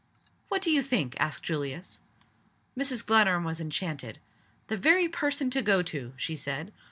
"What do you think?" asked Julius. Mrs. Glenarm was enchanted. "The very person to go to!" she said.